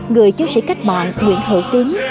người chứa sĩ cách mạng nguyễn hữu tiến